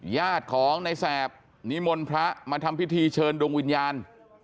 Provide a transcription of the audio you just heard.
ญาติของในแสบนิมนต์พระมาทำพิธีเชิญดวงวิญญาณ